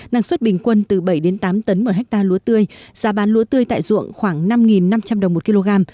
năng suất bình quân từ bảy tám tấn một hectare lúa tươi giá bán lúa tươi tại ruộng khoảng năm năm trăm linh đồng một kg